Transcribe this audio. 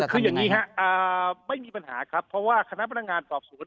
คืออย่างนี้ครับไม่มีปัญหาครับเพราะว่าคณะพนักงานสอบสวน